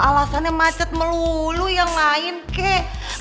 alasannya macet melulu yang lain kek